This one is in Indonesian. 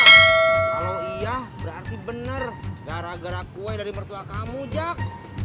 kalau iya berarti benar gara gara kue dari mertua kamu jak